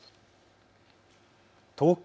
東京